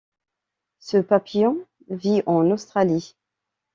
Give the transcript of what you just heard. Ce papillon vit en Australie.